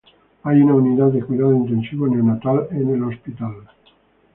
Hay una unidad de cuidado intensivo neonatal en el hospital.